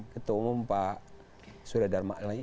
ketua umum pak sudirah darma'li